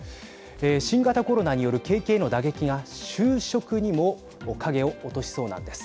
新型コロナによる景気への打撃が就職にも影を落としそうなんです。